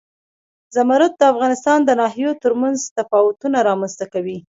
زمرد د افغانستان د ناحیو ترمنځ تفاوتونه رامنځ ته کوي.